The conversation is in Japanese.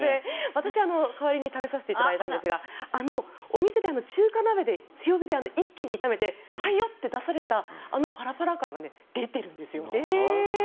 私、代わりに食べさせていただいたんですがあのお店で中華鍋で強火で一気に炒めてはいよ！って出されたあのパラパラ感が出てるんです。